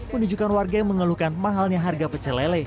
menunjukkan warga yang mengeluhkan mahalnya harga pecelele